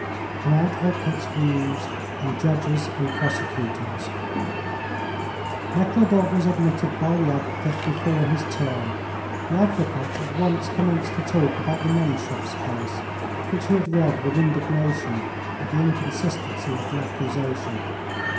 AN ADVOCATE'S VIEWS ON JUDGES AND PROSECUTORS. Nekhludoff was admitted by the advocate before his turn. The advocate at once commenced to talk about the Menshoffs' case, which he had read with indignation at the inconsistency of the accusation.